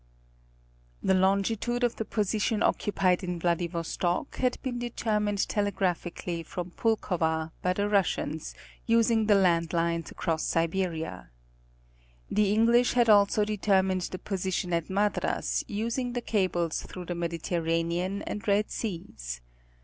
The longitude of the position occupied in Vladivostok, had been determined telegraphically from Pulkova, by the Russians, using the land lines across Siberia. The English had also deter mined the position at Madras, using the cables through the Medi terranean and Red Seas.